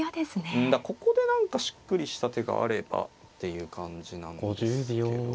うんここで何かしっくりした手があればっていう感じなんですけど。